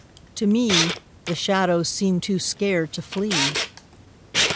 To me The shadows seem too scared to flee.